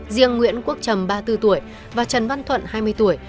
riêng nguyễn quốc trầm ba mươi bốn tuổi và trần văn thuận hai mươi tuổi